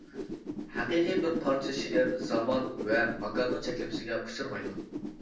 ھەقىقىي بىر پارچە شېئىر زامان ۋە ماكاننىڭ چەكلىمىسىگە ئۇچرىمايدۇ.